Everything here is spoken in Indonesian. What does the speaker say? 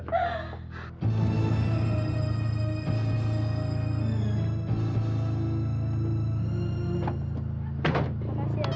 makasih pak maman